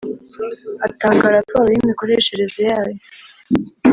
atanga raporo y imikoreshereze yayo